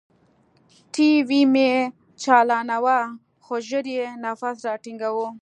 ټي وي مې چالاناوه خو ژر يې نفس راتنګاوه.